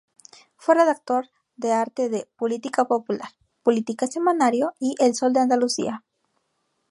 Fue redactor de arte de "Política popular", "Política semanario" y "El Sol de Andalucía".